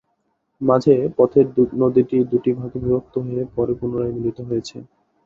মাঝের পথে নদীটি দুটি ভাগে বিভক্ত হয়ে পরে পুনরায় মিলিত হয়েছে।